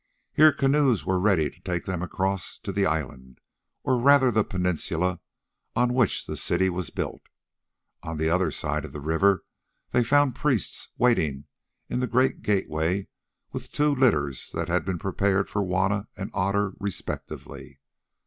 Here canoes were ready to take them across to the island, or rather the peninsula, on which the city was built. On the other side of the river they found priests waiting in the great gateway with two litters that had been prepared for Juanna and Otter respectively.